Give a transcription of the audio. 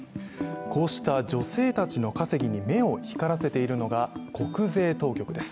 こうした女性たちの稼ぎに目を光らせているのが国税当局です。